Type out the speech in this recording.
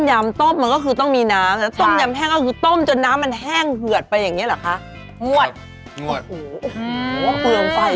อย่าถามนะว่าได้มันจากไหนเพราะตอบได้